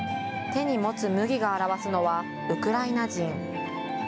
手に持つ麦が表すのはウクライナ人。